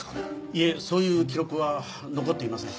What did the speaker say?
いえそういう記録は残っていません。